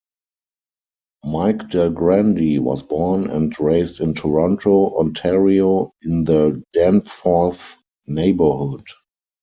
Mike Del Grande was born and raised in Toronto, Ontario in the Danforth neighbourhood.